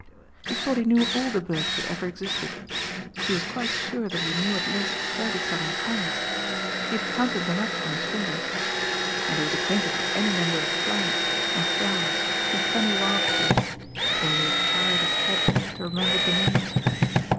He thought he knew all the birds that eyer existed. He was quite sure that he knew at least thirty seyen kinds. He had counted them up on his fingers. And he was acquainted with any number of plants, and flowers, and funny wild things, only it tired his head to remember the names.